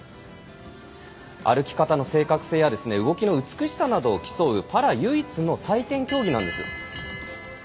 歩き方の正確性や動きの美しさなどを競うパラ唯一の採点競技なんです。